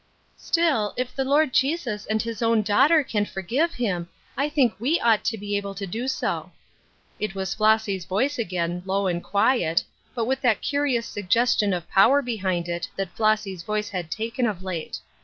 " Still, if the Lord Jesus and his own daugh ter can forgive him, I think we ought to be able to do so." It was Flossy's voice again — low and quiet, but with that curious suggestion of powei behind it that Flossy's voice had taken of late.